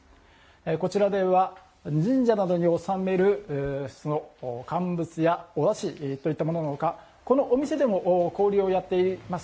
こちらでは神社などにおさめる乾物やおだしといったもののほかこのお店でも購入をやっています。